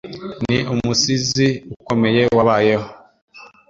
Ni umusizi ukomeye wabayeho.